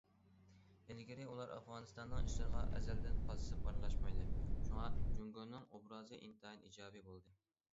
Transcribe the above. ئىلگىرى، ئۇلار ئافغانىستاننىڭ ئىشلىرىغا ئەزەلدىن پاسسىپ ئارىلاشمىدى، شۇڭا، جۇڭگونىڭ ئوبرازى ئىنتايىن ئىجابىي بولدى.